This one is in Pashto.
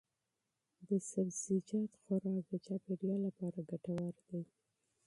د سبزی خوراک چاپیریال ته ګټور دی.